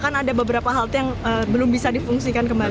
kan ada beberapa halte yang belum bisa difungsikan kembali